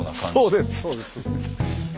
そうですそうです。